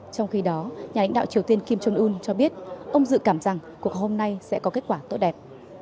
trong khi đó nhà lãnh đạo triều tiên kim sương ưn cho biết ông dự cảm rằng cuộc hôm nay sẽ có kết quả tốt đẹp